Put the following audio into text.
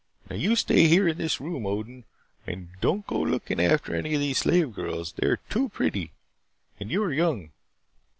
Now, you stay here in this room, Odin. And don't go looking after any of these slave girls. They are too pretty. And you are young.